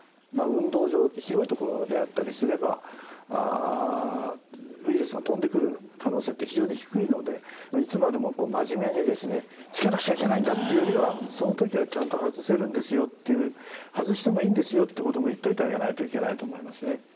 運動場広いところであったりすればウイルスが飛んでくる可能性って非常に低いのでいつまでも真面目にですねつけなくちゃいけないんだっていうよりはその時はちゃんと外せるんですよっていう外してもいいんですよってことも言っといてあげないといけないと思いますね。